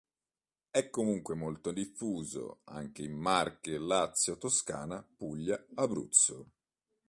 È comunque molto diffuso anche in Marche, Lazio, Toscana, Puglia, Abruzzo.